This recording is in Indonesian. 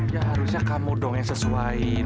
ya harusnya kamu doang yang sesuaiin